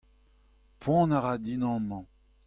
Poan a ra din amañ.